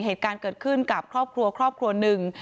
เหตุการณ์เกิดขึ้นกับครอบครัวครอบครัวหนึ่ง